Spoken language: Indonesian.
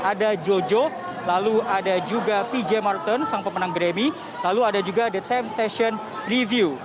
ada jojo lalu ada juga pj martin sang pemenang grammy lalu ada juga the timetation review